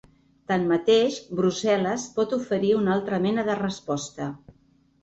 Tanmateix, Brussel·les pot oferir una altra mena de resposta.